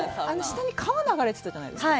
川が流れてたじゃないですか。